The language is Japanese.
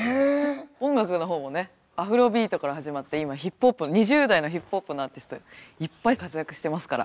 音楽の方もねアフロ・ビートから始まって今ヒップホップ２０代のヒップホップのアーティストいっぱい活躍してますから。